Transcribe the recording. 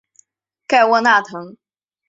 盖沃纳滕。